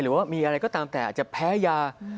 หรือว่ามีอะไรก็ตามแต่อาจจะแพ้ยา